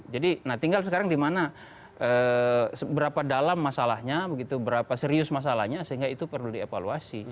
jadi tinggal sekarang di mana berapa dalam masalahnya berapa serius masalahnya sehingga itu perlu dievaluasi